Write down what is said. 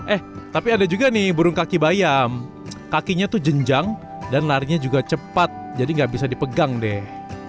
eh tapi ada juga nih burung kaki bayam kakinya tuh jenjang dan larinya juga cepat jadi gak bisa dipegang deh